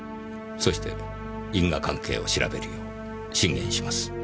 そして因果関係を調べるよう進言します。